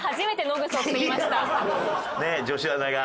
ねえ女子アナが。